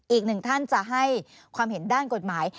อีกหนึ่งท่านจะให้ความเห็นด้านกฎหมาย